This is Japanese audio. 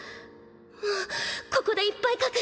もうここでいっぱい書く。